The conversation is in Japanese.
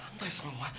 お前。